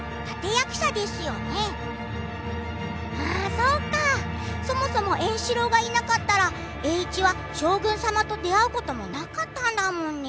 そっか、そもそも円四郎がいなかったら栄一は将軍様と出会うこともなかったんだもんね。